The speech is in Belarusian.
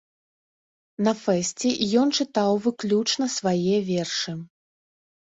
На фэсце ён чытаў выключна свае вершы.